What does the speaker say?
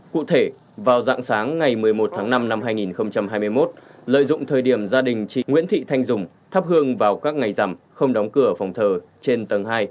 cụ thể vào dạng sáng ngày một mươi một tháng năm năm hai nghìn hai mươi một lợi dụng thời điểm gia đình chị nguyễn thị thanh dùng thắp hương vào các ngày rằm không đóng cửa phòng thờ trên tầng hai